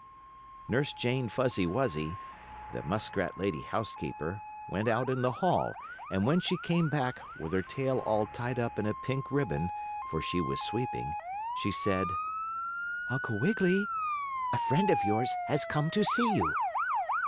Nurse Jane Fuzzy Wuzzy, the muskrat lady housekeeper, went out in the hall, and when she came back, with her tail all tied up in a pink ribbon, (for she was sweeping) she said: "Uncle Wiggily, a friend of yours has come to see you."